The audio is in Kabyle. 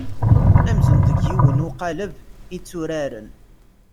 Amzun deg yiwen uqaleb i tturaren.